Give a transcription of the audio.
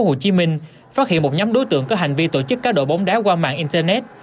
hồ chí minh phát hiện một nhóm đối tượng có hành vi tổ chức cá độ bóng đá qua mạng internet